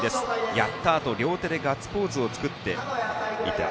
やったー！と両手でガッツポーズを作っていました。